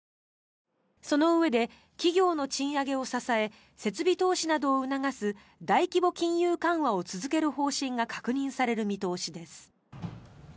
そのうえで企業の賃上げを支え設備投資などを促す大規模金融緩和を続ける方針が確認される見通しです。